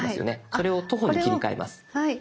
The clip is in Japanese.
それを「徒歩」に切り替えます。